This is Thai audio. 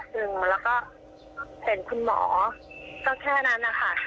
ดึงมาแล้วก็เห็นคุณหมอก็แค่นั้นอ่ะค่ะ